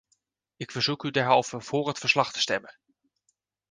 Ik verzoek u derhalve vóór het verslag te stemmen.